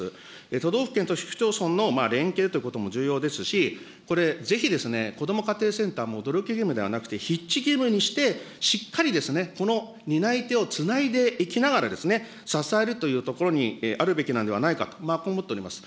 都道府県と市区町村の連携ということも重要ですし、これ、ぜひこども家庭センター、努力義務ではなくて、必置義務にしてしっかりこの担い手をつないでいきながら、支えるというところにあるべきなんではないかと、こう思っております。